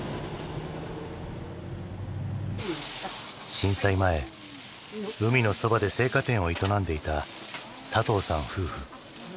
震災前海のそばで青果店を営んでいた佐藤さん夫婦。